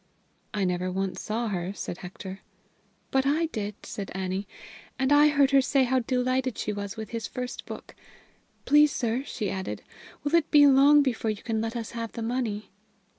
"I never once saw her," said Hector. "But I did," said Annie, "and I heard her say how delighted she was with his first book. Please, sir," she added, "will it be long before you can let us have the money?"